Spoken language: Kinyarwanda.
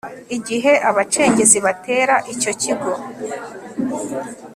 igihe abacengezi batera icyo kigo